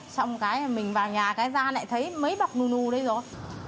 xong cái mình vào nhà cái ra lại thấy mấy bọc nù nù đây rồi